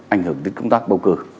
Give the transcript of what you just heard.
ảnh hưởng đến công tác bầu cử